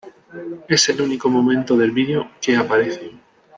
Es el único momento del vídeo que aparecen.